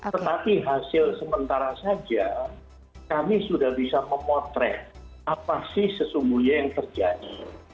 tetapi hasil sementara saja kami sudah bisa memotret apa sih sesungguhnya yang terjadi